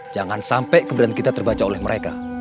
jangan sampai keberanian kita terbaca oleh mereka